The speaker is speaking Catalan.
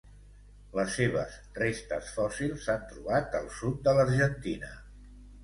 Les seves restes fòssils s'han trobat al sud de l'Argentina.